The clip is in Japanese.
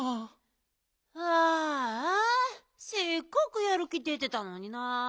ああせっかくやる気出てたのにな。